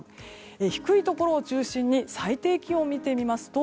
低いところを中心に最低気温を見てみますと